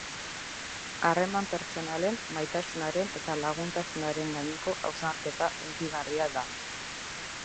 Harreman pertsonalen, maitasunaren eta laguntasunaren gaineko hausnarketa hunkigarria da.